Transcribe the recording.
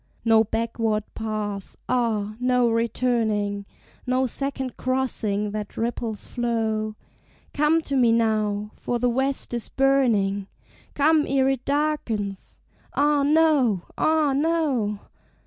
No backward path; ah! no returning: No second crossing that ripple's flow: "Come to me now, for the west is burning: Come ere it darkens." "Ah, no! ah, no!"